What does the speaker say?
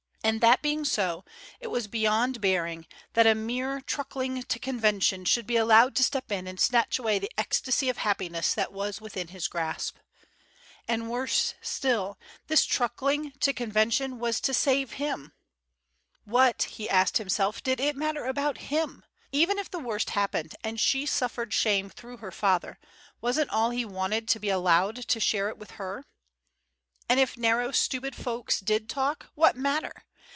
And that being so, it was beyond bearing that a mere truckling to convention should be allowed to step in and snatch away the ecstasy of happiness that was within his grasp. And worse still, this truckling to convention was to save him! What, he asked himself, did it matter about him? Even if the worst happened and she suffered shame through her father, wasn't all he wanted to be allowed to share it with her? And if narrow, stupid fools did talk, what matter?